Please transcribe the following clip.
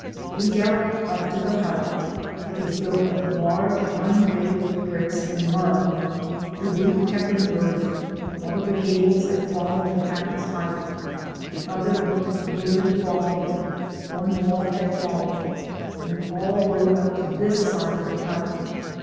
We gi^loped up to the hut — ^it was biult of large unbaked bricks and mud : the roof had been burnt — one of the gables had fallen to half its height — the other looked nearly falling — one wall had fallen, and we all rode up to this side of the hut.